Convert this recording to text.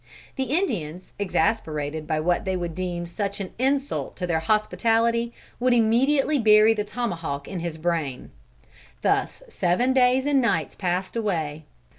The Indians, exasperated by what they would deem such an insult to their hospitality, would immediately bury the tomahawk in his brain. Thus seven days and nights passed away.